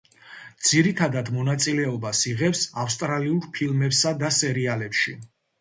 ძირითადად მონაწილეობას იღებს ავსტრალიურ ფილმებსა და სერიალებში.